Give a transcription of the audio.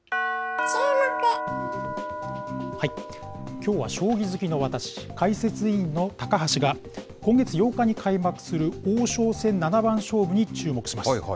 きょうは将棋好きの私、解説委員の高橋が、今月８日に開幕する王将戦七番勝負に注目します。